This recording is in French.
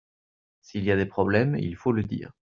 S'il y a des problèmes il faut le dire.